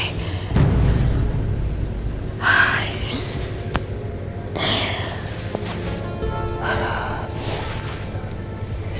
semoga aldebaran gak curiga